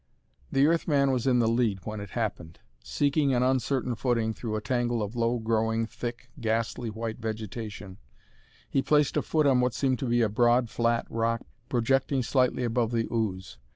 The Earth man was in the lead when it happened. Seeking an uncertain footing through a tangle of low growing, thick, ghastly white vegetation, he placed a foot on what seemed to be a broad, flat rock projecting slightly above the ooze.